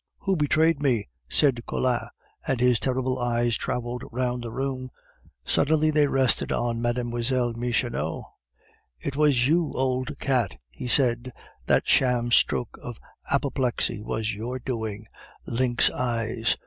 "Who betrayed me?" said Collin, and his terrible eyes traveled round the room. Suddenly they rested on Mlle. Michonneau. "It was you, old cat!" he said. "That sham stroke of apoplexy was your doing, lynx eyes!...